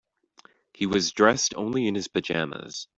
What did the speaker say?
He was dressed only in his pajamas.